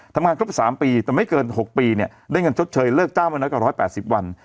ทำงานครบ๓ปีแต่ไม่เกิน๖ปีเนี่ยได้เงินชดเชยเลิกจ้างมาน้อยกว่า๑๘๐วัน